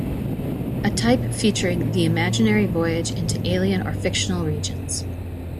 A type featuring "the imaginary voyage into alien or fictional regions".